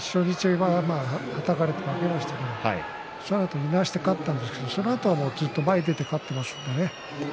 初日ははたかれて負けましたがそのあといなして勝ったんですがそのあとはずっと前に出て勝っていますね。